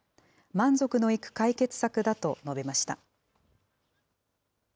満足のいく解決策だと述べました。